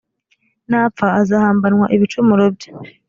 napfa azahambanwa ibicumuro bye